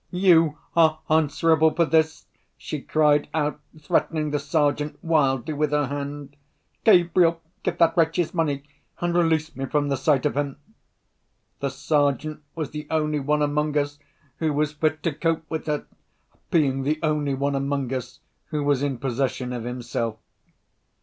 "You are answerable for this!" she cried out, threatening the Sergeant wildly with her hand. "Gabriel! give that wretch his money—and release me from the sight of him!" The Sergeant was the only one among us who was fit to cope with her—being the only one among us who was in possession of himself.